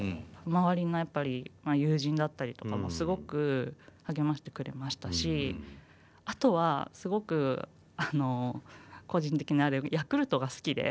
周りのやっぱり友人だったりとかもすごく励ましてくれましたしあとはすごくあの個人的なあれでヤクルトが好きで。